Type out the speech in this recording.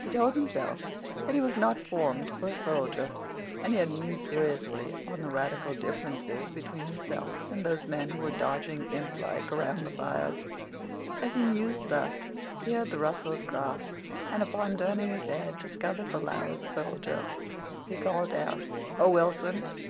He told himself that he was not formed for a soldier. And he mused seriously upon the radical differences between himself and those men who were dodging implike around the fires. As he mused thus he heard the rustle of grass, and, upon turning his head, discovered the loud soldier. He called out, "Oh, Wilson!"